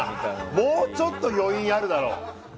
もうちょっと余韻あるだろ。